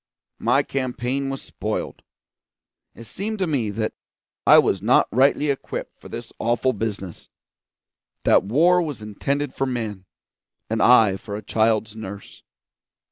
My campaign was spoiled. It seemed to me that I was not rightly equipped for this awful business; that war was intended for men, and I for a child's nurse.